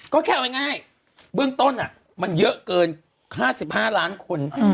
ก็แค่เอาง่ายเบื้องต้นมันเยอะเกิน๕๕ล้านคน